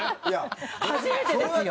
初めてですよ。